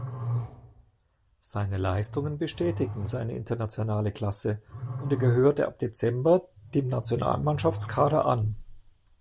Seine Leistungen bestätigten seine internationale Klasse und er gehörte ab Dezember dem Nationalmannschaftskader an.